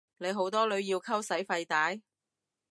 你好多女要溝使費大？